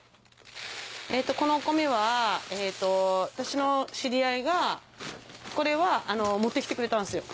このお米は私の知り合いがこれは持って来てくれたんですよ